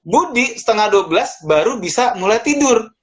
budi setengah dua belas baru bisa mulai tidur